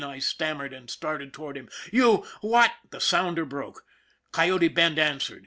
" I stammered, and started toward him. "You! What " The sounder broke. Coyote Bend answered.